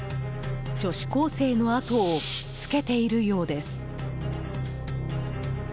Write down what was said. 女子高生の後をつけているようです。